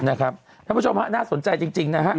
ท่านผู้ชมฮะน่าสนใจจริงนะฮะ